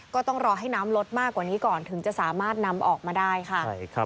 ก็ต้องรอให้น้ำลดมากกว่านี้ก่อนถึงจะสามารถนำออกมาได้ค่ะ